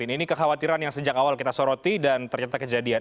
ini kekhawatiran yang sejak awal kita soroti dan ternyata kejadian